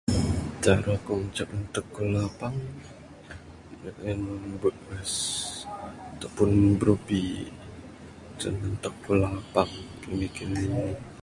Tarun da ngancak entek ku lapang en meh bees ato pun brubi sen entek ku lapang kaik mikir anih anih.